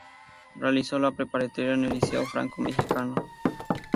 Realizó la preparatoria en el Liceo Franco Mexicano.